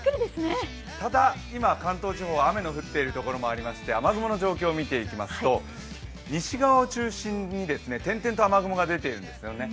ただ、今、関東地方は雨が降っているところがありまして、雨雲を見ていきますと、西側を中心に点々と雨雲が出ているんですよね。